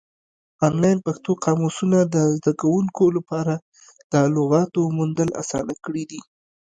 آنلاین پښتو قاموسونه د زده کوونکو لپاره د لغاتو موندل اسانه کړي دي.